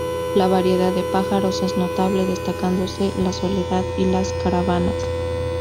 La variedad de pájaros es notable, destacándose la Soledad y las Caravanas.